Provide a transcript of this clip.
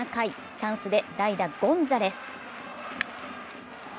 チャンスで代打・ゴンザレス。